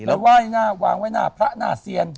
แล้วไหว้หน้าวางไว้หน้าพระหน้าเซียน